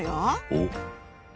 おっ！